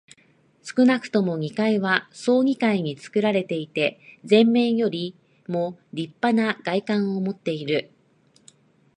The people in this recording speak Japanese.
少なくとも二階は総二階につくられていて、前面よりもりっぱな外観をもっている。